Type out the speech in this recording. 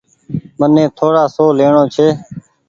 مني ٿوڙآ سون ليڻو ڇي۔